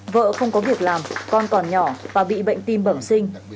vợ không có việc làm con còn nhỏ và bị bệnh tim bẩm sinh